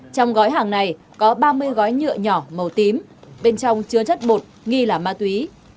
trong gói hàng này có ba mươi gói nhựa nhỏ màu tím bên trong chứa chất bột nghi là ma túy